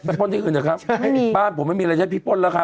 ป้นที่อื่นเถอะครับบ้านผมไม่มีอะไรใช้พี่ป้นแล้วครับ